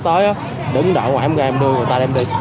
tới đó đứng đợi ngoài em coi em đưa người ta đem đi